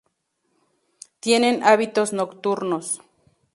Tienen hábitos nocturnos.